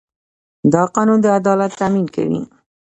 دا قانون د عدالت تامین کوي.